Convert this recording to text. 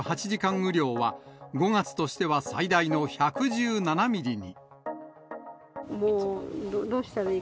雨量は、５月としては最大の１１７ミリに。